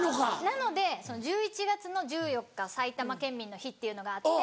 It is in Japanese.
なので１１月の１４日埼玉県民の日っていうのがあって。